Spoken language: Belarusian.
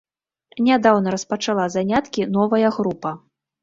Нядаўна распачала заняткі новая група.